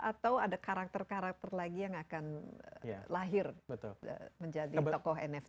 atau ada karakter karakter lagi yang akan lahir menjadi tokoh nft